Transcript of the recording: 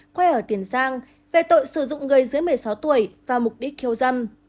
quay ở tiền giang về tội sử dụng người dưới một mươi sáu tuổi và mục đích khiêu giam